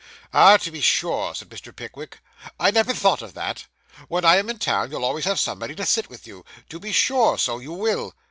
'Ah, to be sure,' said Mr. Pickwick; 'I never thought of that. When I am in town, you'll always have somebody to sit with you. To be sure, so you will.